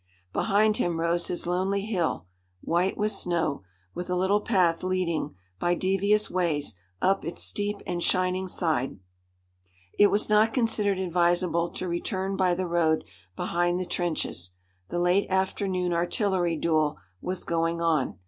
Behind him rose his lonely hill, white with snow, with the little path leading, by devious ways, up its steep and shining side. It was not considered advisable to return by the road behind the trenches. The late afternoon artillery duel was going on.